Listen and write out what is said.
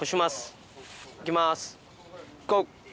行きます。